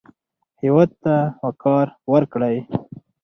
هېواد ته وقار ورکړئ